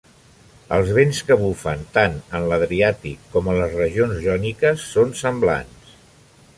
Els vents que bufen tan en l'Adriàtic com en les regions jòniques són semblants.